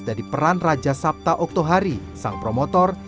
dari peran raja sabta oktohari sang promotor